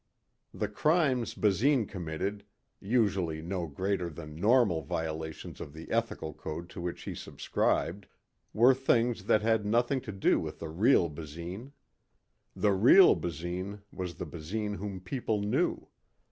The crimes Basine committed usually no greater than normal violations of the ethical code to which he subscribed were things that had nothing to do with the real Basine. The real Basine was the Basine whom people knew.